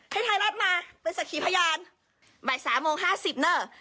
ให้ไทยรัฐมาเป็นศักดิ์ขี้พยานบ่ายสามโมงห้าสิบเนอะ